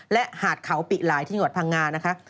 และหาดเขาปิหลายที่จังหวัดพังงานะคะ